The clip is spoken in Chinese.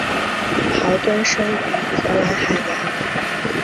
豪敦生于荷兰海牙。